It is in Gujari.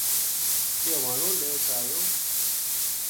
کے ہوانو لے کے آیو